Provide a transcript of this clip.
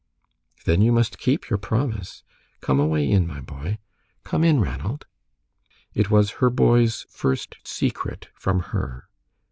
"Then you must keep your promise. Come away in, my boy. Come in, Ranald." It was her boy's first secret from her.